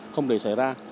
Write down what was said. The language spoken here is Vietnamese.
không để xảy ra